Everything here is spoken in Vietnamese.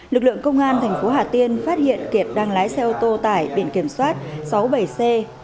lực lượng công an thành phố hà tiên phát hiện kiệt đang lái xe ô tô tải biển kiểm soát sáu mươi bảy c chín nghìn năm mươi tám